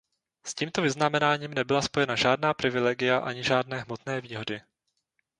S tímto vyznamenáním nebyla spojena žádná privilegia ani žádné hmotné výhody.